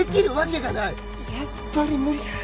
やっぱり無理だ！